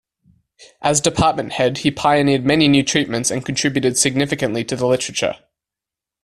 As department head he pioneered many new treatments and contributed significantly to the literature.